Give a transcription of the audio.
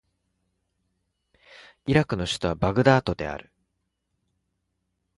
イラクの首都はバグダードである